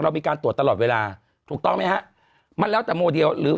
มีการตรวจตลอดเวลาถูกต้องไหมฮะมันแล้วแต่โมเดลหรือ